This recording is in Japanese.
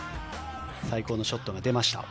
最高のショットが出ました。